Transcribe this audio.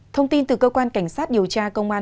thông tin từ cơ quan cảnh sát điều tra công an